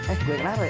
eh gue yang naro ya